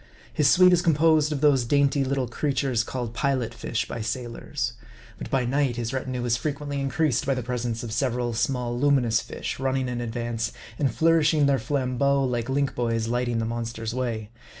His suite is composed of those dainty little creatures called Pilot fish by sailors. But by night his retinue is frequently in creased by the presence of several small luminous fish, run ning in advance, and nourishing their flambeaux like link boys lighting the monster's way.